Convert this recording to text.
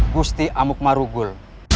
bukti amuk marugul